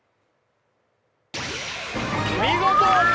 見事！